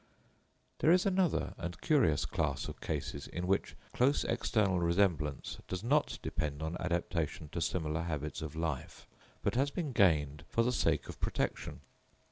There is another and curious class of cases in which close external resemblance does not depend on adaptation to similar habits of life, but has been gained for the sake of protection.